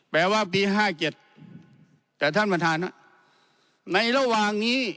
แปลว่าปีห้าเจ็ดแต่ท่านประธานในระหว่างนี้